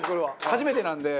初めてなんで。